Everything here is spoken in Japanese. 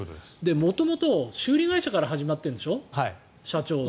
元々、修理会社として始まっているんでしょ、社長は。